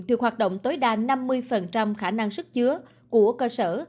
được hoạt động tối đa năm mươi khả năng sức chứa của cơ sở